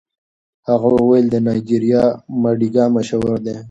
هغه وویل د نایجیریا مډیګا مشهور دی.